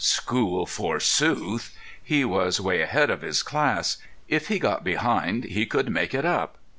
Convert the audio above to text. School forsooth! He was way ahead of his class. If he got behind he could make it up.